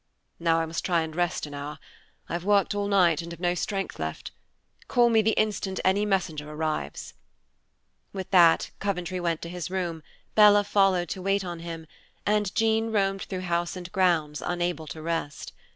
Now I must try and rest an hour; I've worked all night and have no strength left. Call me the instant any messenger arrives." With that Coventry went to his room, Bella followed to wait on him, and Jean roamed through house and grounds, unable to rest.